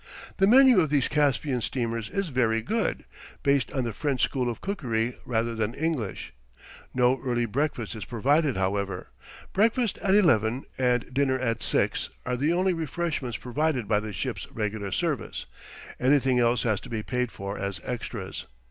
The menu of these Caspian steamers is very good, based on the French school of cookery rather than English. No early breakfast is provided, however; breakfast at eleven and dinner at six are the only refreshments provided by the ship's regular service anything else has to be paid for as extras.